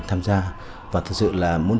tham gia và thật sự là muốn